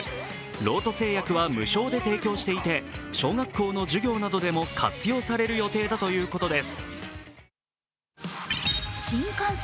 ロート製薬は無償で提供していて小学校の授業などでも活用される予定だということです。